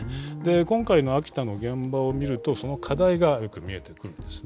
今回の秋田の現場を見ると、その課題がよく見えてくるんですね。